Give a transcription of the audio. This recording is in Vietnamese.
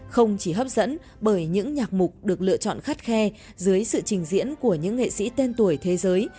không chỉ hấp dẫn bởi những nhạc mục được lựa chọn khắt khe dưới sự trình diễn của những nghệ sĩ tên tuổi thế giới